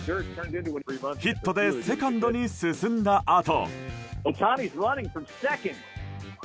ヒットでセカンドに進んだあと。